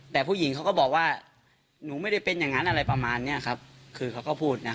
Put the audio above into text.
แต่ผู้หญิงเขาก็บอกว่าหนูไม่ได้เป็นอย่างนั้นอะไรประมาณเนี้ยครับคือเขาก็พูดนะ